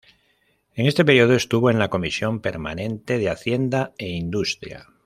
En este período estuvo en la Comisión permanente de Hacienda e Industria.